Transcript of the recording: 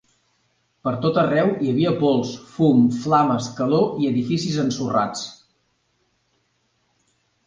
Per tot arreu hi havia pols, fum, flames, calor i edificis ensorrats.